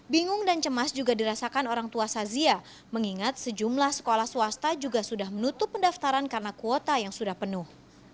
bingung dan cemas juga dirasakan orang tua sazia mengingat sejumlah sekolah swasta juga sudah menutup pendaftaran karena kuota yang sudah penuh